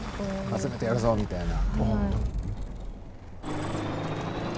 「集めてやるぞ」みたいな。